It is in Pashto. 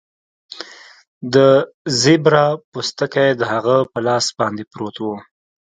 د زیبرا پوستکی د هغه په لاس باندې پروت و